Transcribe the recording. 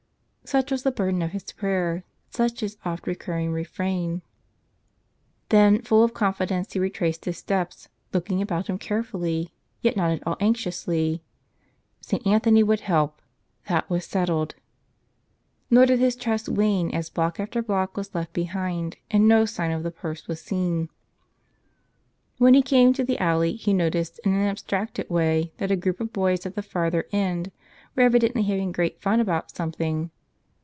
Such was the burden of his prayer, such its oft recur¬ ring refrain. Then, full of confidence, he retraced his steps, look¬ ing about him carefully, yet not at all anxiously. St. Anthony would help — that was settled. Nor did his trust wane as block after block was left behind and no sign of the purse was seen. When he came to the alley, he noticed, in an abstracted way, that a group of boys at the farther end were evidently having great fun about something.